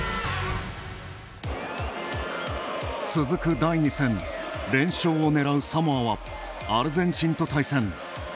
続く第２戦連勝を狙うサモアはアルゼンチンと対戦。